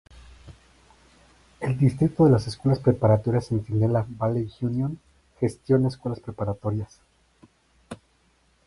El Distrito de Escuelas Preparatorias Centinela Valley Union gestiona escuelas preparatorias.